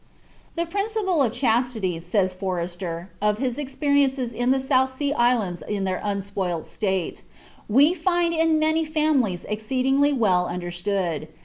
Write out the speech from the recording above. "The principle of chastity," said Forster, of his experiences in the South Sea Islands in their unspoilt state, "we found in many families exceedingly well understood.